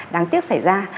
đáng tiếc xảy ra